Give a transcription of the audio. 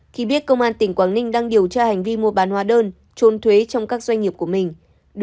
khi biết công an tỉnh quảng ninh đang điều tra hành vi mua bán hóa đơn trốn thuế trong các doanh nghiệp của mình